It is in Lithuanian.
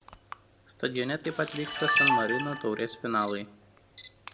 Stadione taip pat vyksta San Marino taurės finalai.